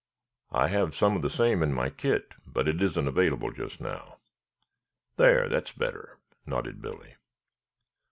"I have some of the same in my kit, but it isn't available just now. There, that's better," nodded Billy.